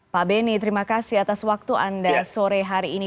pak benny terima kasih atas waktu anda sore hari ini